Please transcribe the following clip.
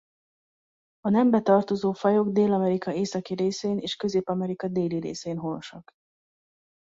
A nembe tartozó fajok Dél-Amerika északi részén és Közép-Amerika déli részén honosak.